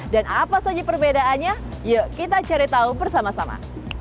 dan apa saja perbedaannya yuk kita cari tahu bersama sama